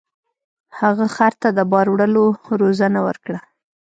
هغه خر ته د بار وړلو روزنه ورکړه.